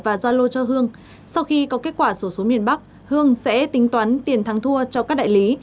và giao lô cho hương sau khi có kết quả số số miền bắc hương sẽ tính toán tiền thắng thua cho các đại lý